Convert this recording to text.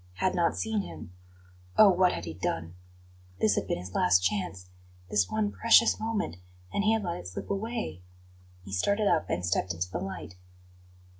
Had not seen him Oh, what had he done? This had been his last chance this one precious moment and he had let it slip away. He started up and stepped into the light.